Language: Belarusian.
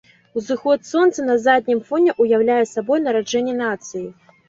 Узыход сонца на заднім фоне ўяўляе сабой нараджэнне нацыі.